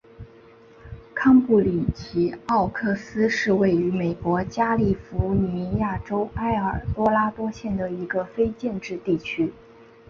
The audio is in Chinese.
康布里奇奥克斯是位于美国加利福尼亚州埃尔多拉多县的一个非建制地区。